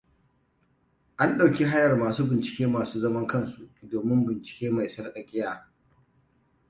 An ɗauki hayar masu bincike masu zaman kansu, domin bincike mai sarƙaƙiya.